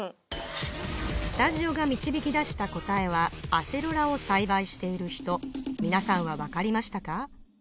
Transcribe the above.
スタジオが導き出した答えはアセロラを栽培している人皆さんは分かりましたか？